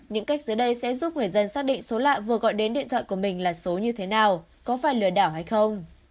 những cách giữa đây sẽ giúp người dân xác định số lạ vừa gọi đến điện thoại của mình là số như thế nào có phải lừa đảo hay không